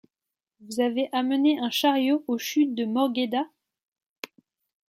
Vous avez amené un chariot aux chutes de Morgheda?